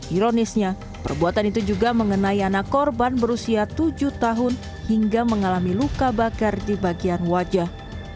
ironisnya perbuatan itu juga mengenai anak korban berusia tujuh tahun hingga mengalami luka bakar di bagian wajah